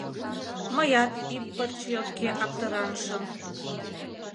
Мыят ӱп пырче йотке аптыранышым.